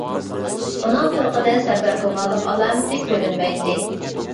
ئۇنىڭ تۇرقىدىن سەپەر قىلغانلىق ئالامىتى كۆرۈنمەيتتى.